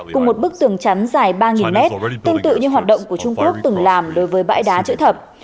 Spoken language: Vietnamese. cùng một bức tường chắn dài ba mét tương tự như hoạt động của trung quốc từng làm đối với bãi đá chữ thập